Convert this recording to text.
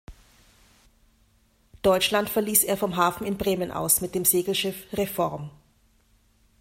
Deutschland verließ er vom Hafen in Bremen aus mit dem Segelschiff „Reform“.